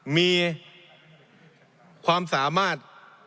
มีความสามารถ